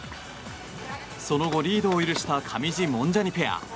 その後、リードを許した上地・モンジャニペア。